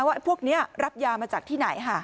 ว่าพวกนี้รับยามาจากที่ไหน